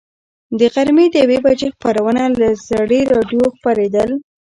د غرمې د یوې بجې خبرونه له زړې راډیو خپرېدل.